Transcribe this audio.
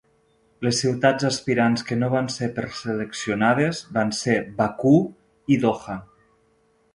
Les ciutats aspirants que no van ser preseleccionades van ser Bakú i Doha.